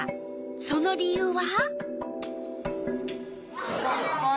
その理由は？